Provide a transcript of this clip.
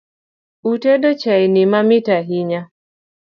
Utedo chaini mamit ahinya